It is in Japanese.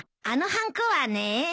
あのはんこはね。